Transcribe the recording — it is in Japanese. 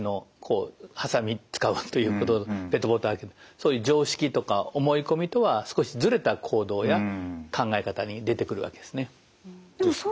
そういう常識とか思い込みとは少しズレた行動や考え方に出てくるわけですね。